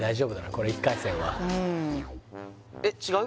これ１回戦はえっ違う？